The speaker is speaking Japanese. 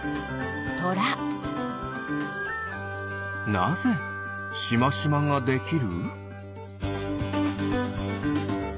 なぜしましまができる？